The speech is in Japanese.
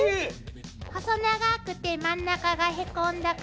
細長くて真ん中がへこんだカタチ。